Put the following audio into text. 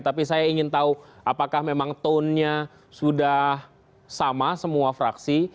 tapi saya ingin tahu apakah memang tone nya sudah sama semua fraksi